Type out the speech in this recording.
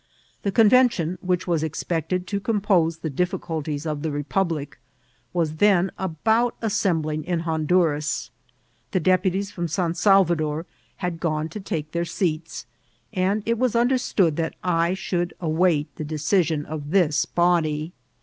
The Convention, which was expected to com pose the difficulties of the Republic, was then i^bout as* sembUng in Honduras. The deputies from St. Salvador had gone to take their seats, and it was understood that I should await the decision <tf this body.